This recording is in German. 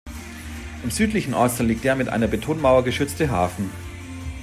Im südlichen Ortsteil liegt der mit einer Betonmauer geschützte Hafen.